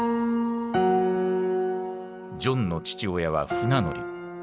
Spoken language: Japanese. ジョンの父親は船乗り。